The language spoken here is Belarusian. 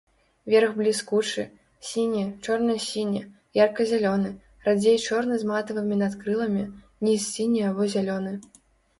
Верх бліскучы, сіні, чорна-сіні, ярка-зялёны, радзей чорны з матавымі надкрыламі, ніз сіні або зялёны.